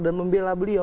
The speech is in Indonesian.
dan membela beliau